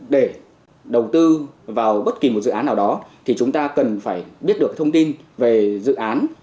để đầu tư vào bất kỳ một dự án nào đó thì chúng ta cần phải biết được thông tin về dự án